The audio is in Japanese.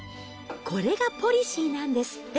これがポリシーなんですって。